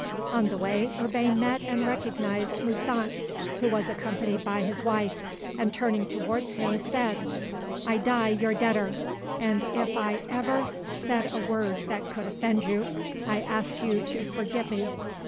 On the way Urbain met and recognised Moussant, who was accompanied by his wife, and turning towards him, said— "I die your debtor, and if I have ever said a word that could offend you I ask you to forgive me."